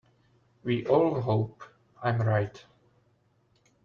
We all hope I am right.